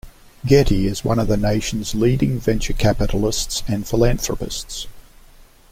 Getty is one of the nation's leading venture capitalists and philanthropists.